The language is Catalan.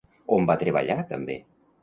On va treballar també?